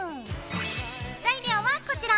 材料はこちら。